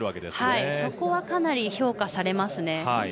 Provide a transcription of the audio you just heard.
そこはかなり評価されますね。